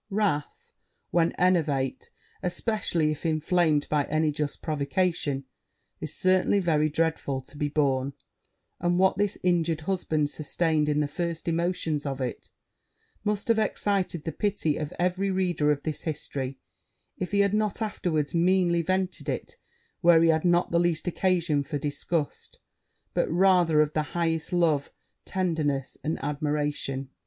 Wrath, when enervate, especially if inflamed by any just provocation, is certainly very dreadful to be borne; and what this injured husband sustained in the first emotions of it, must have excited the pity of every reader of this history, if he had not afterwards meanly vented it where he had not the least occasion for disgust, but rather of the highest tenderness and admiration.